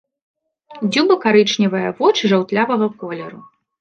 Дзюба карычневая, вочы жаўтлявага колеру.